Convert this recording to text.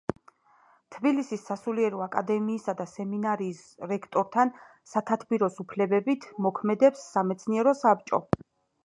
თბილისის სასულიერო აკადემიისა და სემინარიის რექტორთან სათათბიროს უფლებებით მოქმედებს სამეცნიერო საბჭო.